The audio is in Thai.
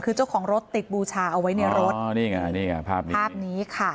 คือเจ้าของรถติดบูชาเอาไว้ในรถอ๋อนี่ไงนี่ไงภาพนี้ภาพนี้ค่ะ